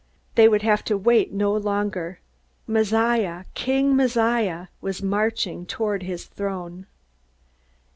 They would have to wait no longer. Messiah King Messiah was marching toward his throne.